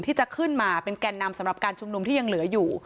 ที่จะขึ้นมาเป็นแก่นนำสำหรับการชุมนุมที่ยังเหลืออยู่